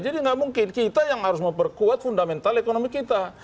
jadi nggak mungkin kita yang harus memperkuat fundamental ekonomi kita